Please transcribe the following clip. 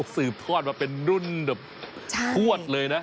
สืบทอดมาเป็นรุ่นแบบทวดเลยนะ